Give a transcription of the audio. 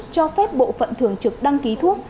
cho phép bộ phận thường trực đăng ký thuốc